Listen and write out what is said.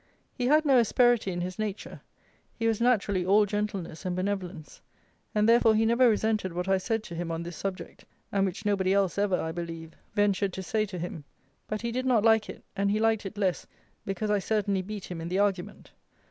He had no asperity in his nature; he was naturally all gentleness and benevolence; and, therefore, he never resented what I said to him on this subject (and which nobody else ever, I believe, ventured to say to him): but he did not like it; and he liked it less because I certainly beat him in the argument.